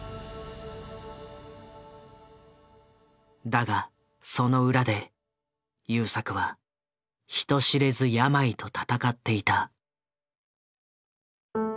だがその裏で優作は人知れず病と闘っていた。